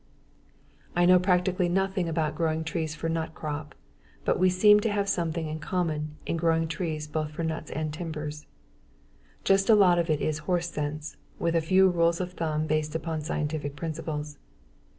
I know practically nothing about growing trees for a nut crop, but we seem to have something in common in growing trees both for nuts and timber. Just a lot of it is "horse sense", with a few rules of thumb based upon scientific principles.